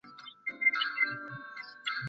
শশীর কাছে তার একটু সংকোচ করিবারও প্রয়োজন নাই?